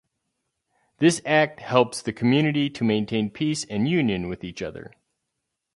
This act helps the community to maintain peace and union with each other.